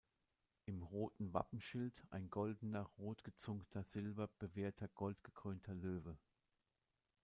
Im roten Wappenschild ein goldener rotgezungter silber bewehrter goldgekrönter Löwe.